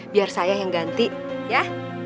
biar saya yang ganti ya